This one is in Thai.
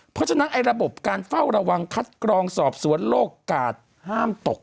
เพราะฉะนั้นไอ้ระบบการเฝ้าระวังคัดกรองสอบสวนโรคกาดห้ามตก